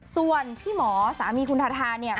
ส่วนพี่หมอสามีคุณทาทาเนี่ย